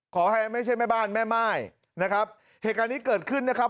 ขอให้ไม่ใช่แม่บ้านแม่ม่ายนะครับเหตุการณ์นี้เกิดขึ้นนะครับ